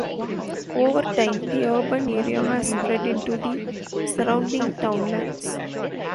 Over time, the urban area has spread into the surrounding townlands.